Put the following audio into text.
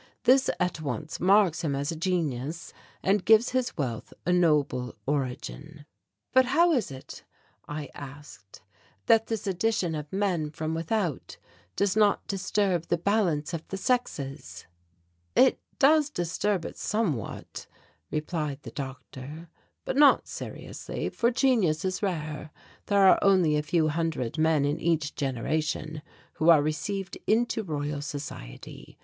This at once marks him as a genius and gives his wealth a noble origin." "But how is it," I asked, "that this addition of men from without does not disturb the balance of the sexes?" "It does disturb it somewhat," replied the doctor, "but not seriously, for genius is rare. There are only a few hundred men in each generation who are received into Royal Society.